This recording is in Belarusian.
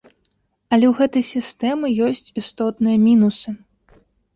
Але ў гэтай сістэмы ёсць істотныя мінусы.